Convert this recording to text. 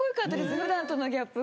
普段とのギャップが。